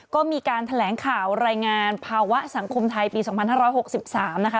ก็มีการแถลงข่าวรายงานภาวะสังคมไทยปี๒๕๖๓นะคะ